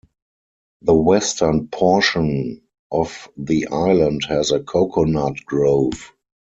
The western portion of the island has a coconut grove.